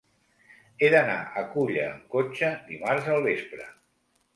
He d'anar a Culla amb cotxe dimarts al vespre.